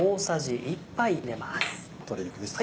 鶏肉です